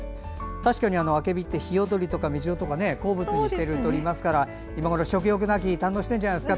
確かに、アケビってヒヨドリとかメジロとかが好物にしてるといいますから今ごろ、食欲の秋を堪能しているんじゃないですか